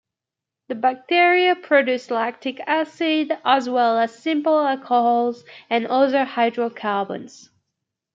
The bacteria produce lactic acid, as well as simple alcohols and other hydrocarbons.